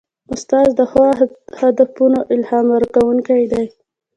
استاد د ښو هدفونو الهام ورکوونکی دی.